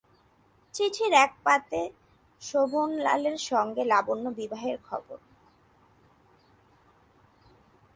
চিঠির এক পাতে শোভনলালের সঙ্গে লাবণ্যর বিবাহের খবর।